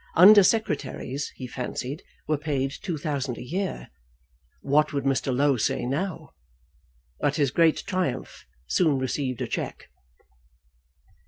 Under Secretaries, he fancied, were paid two thousand a year. What would Mr. Low say now? But his great triumph soon received a check.